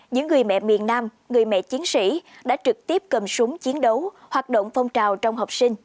những người mẹ miền nam người mẹ chiến sĩ đã trực tiếp cầm súng chiến đấu hoạt động phong trào trong học sinh